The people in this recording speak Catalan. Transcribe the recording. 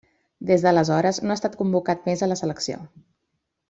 Des d'aleshores no ha estat convocat més a la selecció.